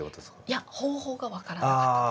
いや方法が分からなかったんです。